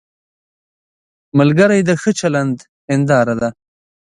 ملګری د ښه چلند هنداره ده